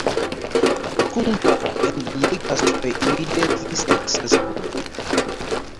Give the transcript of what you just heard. Kundla and the Lakers were immediately successful.